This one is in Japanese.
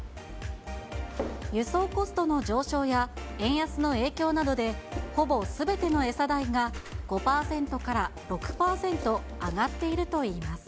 輸送コストの上昇や、円安の影響などで、ほぼすべての餌代が５％から６％上がっているといいます。